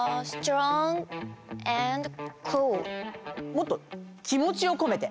．もっと気もちをこめて。